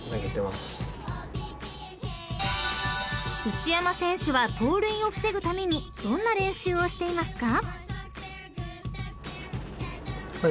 ［内山選手は盗塁を防ぐためにどんな練習をしていますか？］